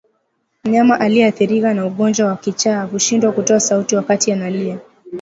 Mnyama aliyeathirika na ugonjwa wa kichaa hushindwa kutoa sauti wakati analia